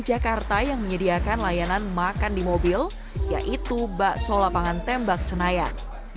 jakarta yang menyediakan layanan makan di mobil yaitu bakso lapangan tembak senayan